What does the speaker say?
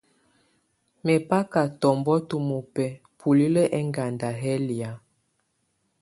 Mɛbaka tɔbɔŋtɔ̀ mɔbɛ̀á bulilǝ́ ɛŋganda yɛ̀ lɛ̀á.